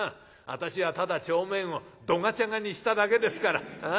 私はただ帳面をどがちゃがにしただけですから。